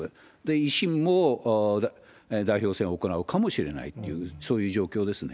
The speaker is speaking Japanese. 維新も代表選を行うかもしれないっていう、そういう状況ですね。